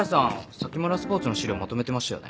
サキムラスポーツの資料まとめてましたよね？